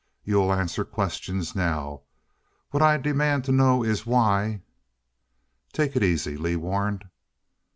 You'll answer questions now. What I demand to know is why " "Take it easy," Lee warned.